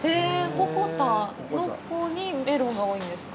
鉾田のほうにメロンが多いんですか？